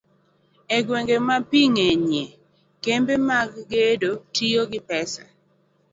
e gwenge ma pi ng'enyie, kembe mag gedo tiyo gi pesa